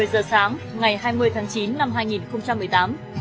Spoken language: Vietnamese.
một mươi giờ sáng ngày hai mươi tháng chín năm hai nghìn một mươi tám